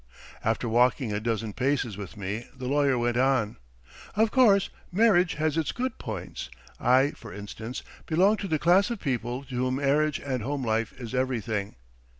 "After walking a dozen paces with me the lawyer went on: "'Of course, marriage has its good points. I, for instance, belong to the class of people to whom marriage and home life is everything.'